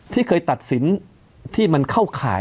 ที่เคยตัดสินที่มันเข้าข่าย